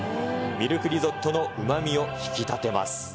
ミルクリゾットのうまみを引き立てます。